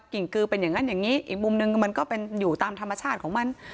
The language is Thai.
่งกือเป็นอย่างนั้นอย่างนี้อีกมุมนึงมันก็เป็นอยู่ตามธรรมชาติของมัน